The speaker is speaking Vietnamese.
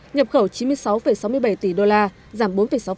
nhập khẩu chín mươi sáu sáu mươi bảy tỷ đô la giảm bốn sáu